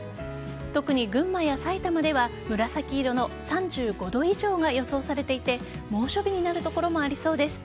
特に群馬や埼玉では紫色の３５度以上が予想されていて猛暑日になる所もありそうです。